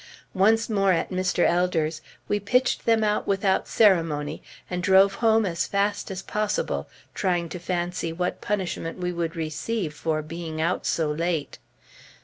Once more at Mr. Elder's, we pitched them out without ceremony, and drove home as fast as possible, trying to fancy what punishment we would receive for being out so late.